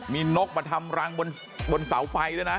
มีนกมาทำรังบนเสาไฟด้วยนะ